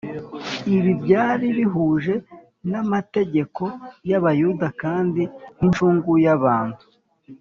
Ibi byari bihuje n’amategeko y’Abayuda, kandi nk’incungu y’abantu